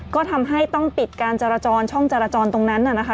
ก็ทำให้ต้องปิดการจราจรช่องจรจรตรงนั้นน่ะนะคะ